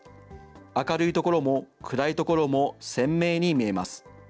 明るいところも暗いところも鮮明に見えます。